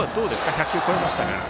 １００球を超えましたが。